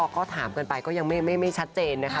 ก็ถามกันไปก็ยังไม่ชัดเจนนะคะ